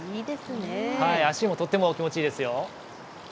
足もとても気持ちいいですよ。